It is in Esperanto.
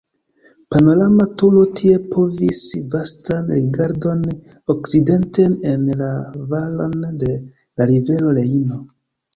Panorama turo tie provizas vastan rigardon okcidenten en la valon de la rivero Rejno.